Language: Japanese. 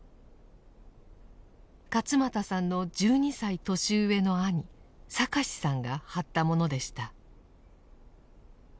勝又さんの１２歳年上の兄哲さんが貼ったものでした。